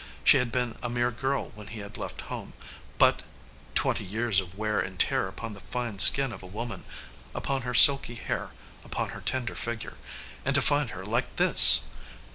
She had been a mere girl when he had left home, but twenty years of wear and tear upon the fine skin of a woman, upon her silky hair, upon her tender figure and to find her like this!